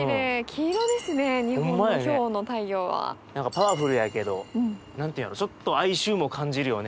何かパワフルやけど何て言うのちょっと哀愁も感じるよね。